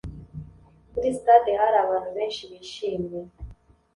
kuri stade hari abantu benshi bishimye